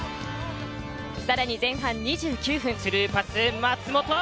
さらに前半２９分、スルーパス、松本。